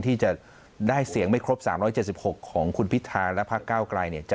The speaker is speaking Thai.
ที่จะได้เสียงไม่ครบ๓๗๖ของคุณพิธาและพักเก้าไกล